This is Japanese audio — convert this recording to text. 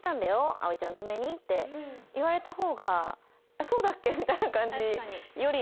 葵ちゃんのために」って言われた方が「そうだっけ？」みたいな感じよりは。